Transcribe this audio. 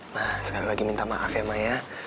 nah sekali lagi minta maaf ya ma ya